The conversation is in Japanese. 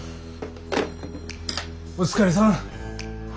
お疲れさん。